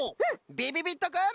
びびびっとくん。